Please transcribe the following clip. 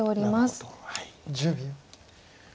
１０秒。